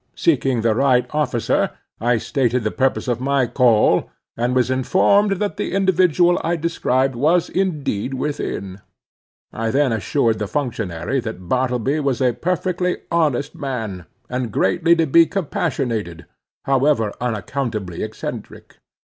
Seeking the right officer, I stated the purpose of my call, and was informed that the individual I described was indeed within. I then assured the functionary that Bartleby was a perfectly honest man, and greatly to be compassionated, however unaccountably eccentric.